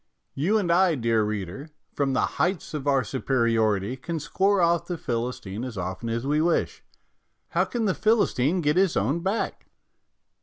You and I, dear reader, from the heights of our superiority, can score off the Philistine as often as we wish. How can the Philistine get his own back?